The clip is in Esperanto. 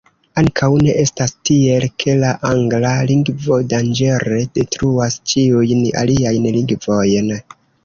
Ankaŭ ne estas tiel, ke la angla lingvo danĝere detruas ĉiujn aliajn lingvojn.